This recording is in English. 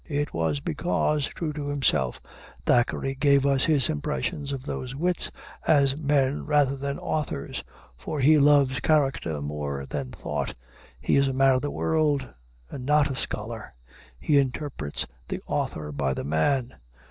It was because, true to himself, Thackeray gave us his impression of those wits as men rather than authors. For he loves character more than thought. He is a man of the world, and not a scholar. He interprets the author by the man.